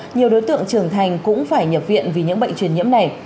nhiều đối tượng trưởng thành cũng phải nhập viện vì những bệnh truyền nhiễm này